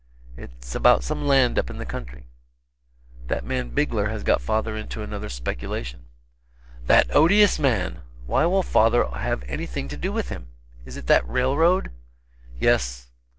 "It's about some land up in the country. That man Bigler has got father into another speculation." "That odious man! Why will father have anything to do with him? Is it that railroad?" "Yes.